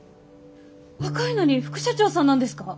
若いのに副社長さんなんですか！？